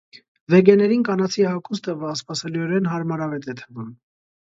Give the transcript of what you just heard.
Վեգեներին կանացի հագուստը անսպասելիորեն հարմարավետ է թվում։